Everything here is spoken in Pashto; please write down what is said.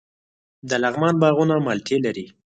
د لغمان باغونه مالټې لري.